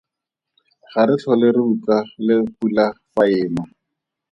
Ga re tlhole re utlwa le pula fa e na.